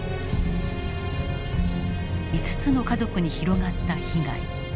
５つの家族に広がった被害。